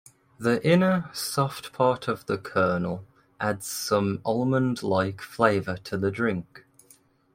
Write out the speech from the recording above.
The inner, soft part of the kernel adds some almond-like flavor to the drink.